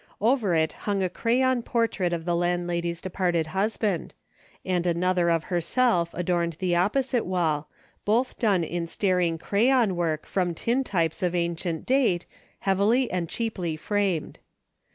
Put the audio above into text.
Over it hung a crayon portrait DAILY bate:' 1 of the landlady's departed husband, and an other of herself adorned the opposite wall, both done in staring crayon work from tin types of ancient date, heavily and cheaply framed.